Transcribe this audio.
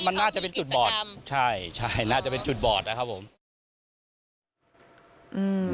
มันน่าจะเป็นจุดบอดใช่ใช่น่าจะเป็นจุดบอดนะครับผมอืม